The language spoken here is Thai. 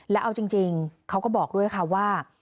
แล้วเอาจริงเขาก็บอกด้วยค่ะว่า